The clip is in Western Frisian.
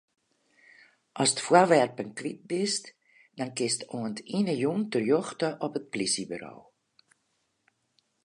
Ast foarwerpen kwyt bist, dan kinst oant yn 'e jûn terjochte op it plysjeburo.